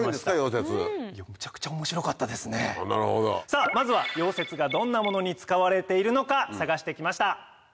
さぁまずは溶接がどんなものに使われているのか探して来ました。